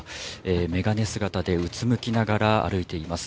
眼鏡姿で、うつむきながら歩いています。